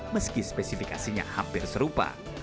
meski spesifikasinya hampir serupa